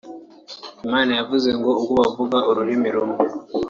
Imana yaravuze ngo ’Ubwo bavuga ururimi rumwe